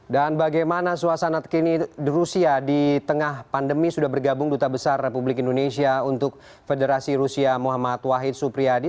dan bagaimana suasana terkini di rusia di tengah pandemi sudah bergabung duta besar republik indonesia untuk federasi rusia muhammad wahid supriyadi